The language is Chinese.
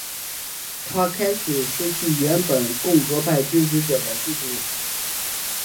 他开始失去原本共和派支持者的支持。